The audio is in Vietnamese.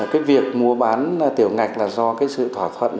cái việc mua bán tiểu ngạch là do cái sự thỏa thuận